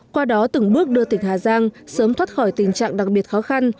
qua đó từng bước đưa tỉnh hà giang sớm thoát khỏi tình trạng đặc biệt khó khăn